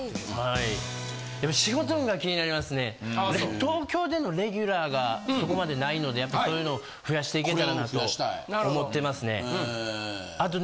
東京でのレギュラーがそこまでないのでやっぱそういうのを増やしていけたらなと思ってますね。